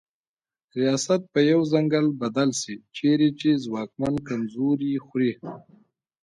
ریاست په یو ځنګل بدل سي چیري چي ځواکمن کمزوري خوري